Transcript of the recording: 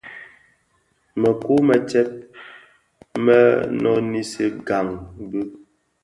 Mëkuu më tsèb mèn mö nisi gaň bi.